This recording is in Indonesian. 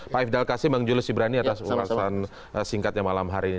pak ifdal kasih bang juli si berani atas ulasan singkatnya malam hari ini